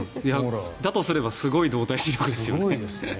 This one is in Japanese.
だとしたらすごい動体視力ですよね。